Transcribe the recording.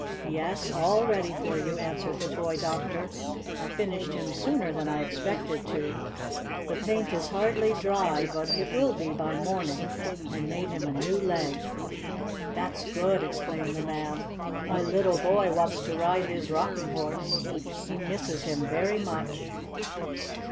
"Yes, all ready for you," answered the toy doctor. "I finished him sooner than I expected to. The paint is hardly dry, but it will be by morning. I made him a new leg." "That's good!" exclaimed the man. "My little boy wants to ride his Rocking Horse. He misses him very much."